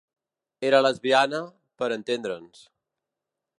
Era lesbiana, per entendre'ns.